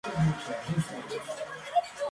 Es el único congresista que ha alcanzado esa edad.